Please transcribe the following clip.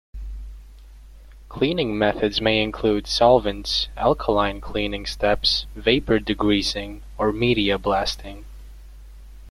Cleaning methods may include solvents, alkaline cleaning steps, vapor degreasing, or media blasting.